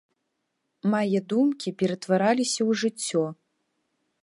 Мае думкі ператварыліся ў жыццё.